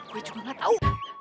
gue cuma gak tau